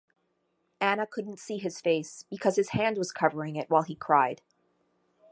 Anna couldn't see his face because his hand was covering it while he cried.